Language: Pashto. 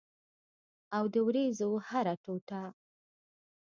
او د اوریځو هره ټوټه